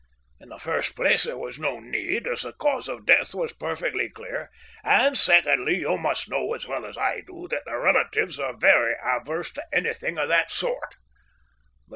In the first place there was no need, as the cause of death was perfectly clear, and secondly you must know as well as I do that the relatives are very averse to anything of the sort.